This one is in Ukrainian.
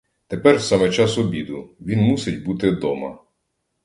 Тепер саме час обіду, він мусить бути дома.